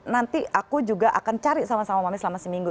nanti aku juga akan cari sama sama mami selama seminggu